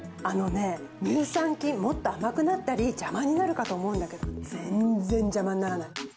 あのね、乳酸菌もっと甘くなったり、邪魔になるかと思うんだけど、全然邪魔にならない。